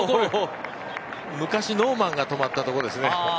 昔、ノーマンが止まったところですね。